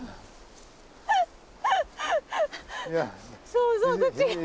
想像と違う。